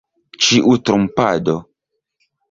Ĉiu trompado!